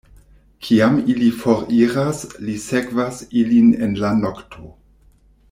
Kiam ili foriras, li sekvas ilin en la nokto.